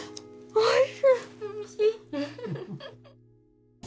おいしい？